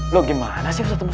loh gimana sih ustadz dan musa